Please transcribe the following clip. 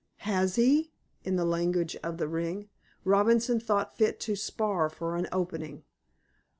"Has he?" In the language of the ring, Robinson thought fit to spar for an opening.